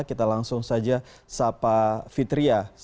kita langsung saja sapa fitriah